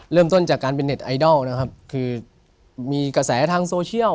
เริ่มต้นจากการเป็นเน็ตไอดอลนะครับคือมีกระแสทางโซเชียล